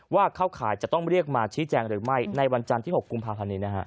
เข้าข่ายจะต้องเรียกมาชี้แจงหรือไม่ในวันจันทร์ที่๖กุมภาพันธ์นี้นะฮะ